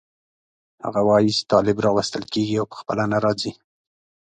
هغه وایي چې طالب راوستل کېږي او په خپله نه راځي.